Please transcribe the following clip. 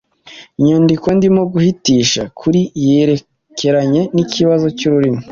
Inyandiko ndimo guhitisha kuri yerekeranye n’ikibazo cy’ururimi